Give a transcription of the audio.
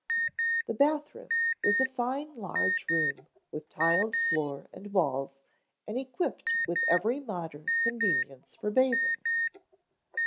The bath room was a fine large room with tiled floor and walls and equipped with every modern convenience for bathing.